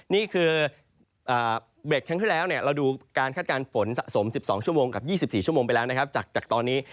นี่คือเวลาที่เราดูการคาดการฝนสะสม๑๒ชั่วโมงกับ๒๔ชั่วโมงไปแล้วจากตอนนี้